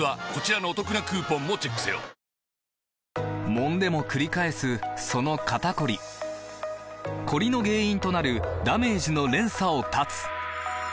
もんでもくり返すその肩こりコリの原因となるダメージの連鎖を断つ！